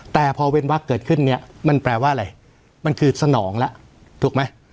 แต่พอเว้นวักเกิดขึ้นเนี่ยมันแปลว่าอะไรมันคือสนองแล้วถูกไหม